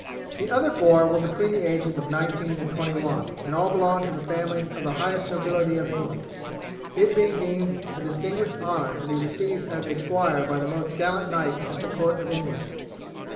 The other four were between the ages of nineteen and twenty one, and all belonged to the families of the highest nobility of England, it being deemed a distinguished honour to be received as a squire by the most gallant knight at the court of England.